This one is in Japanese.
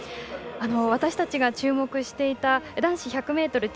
私たちが注目していた男子１００ｍＴ